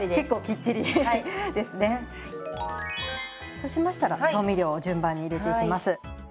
そうしましたら調味料を順番に入れていきます。